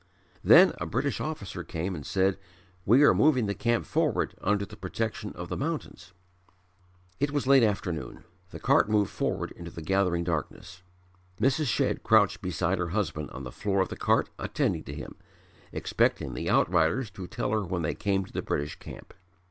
Then a British officer came and said: "We are moving the camp forward under the protection of the mountains." It was late afternoon. The cart moved forward into the gathering darkness. Mrs. Shedd crouched beside her husband on the floor of the cart attending to him, expecting the outriders to tell her when they came to the British Camp.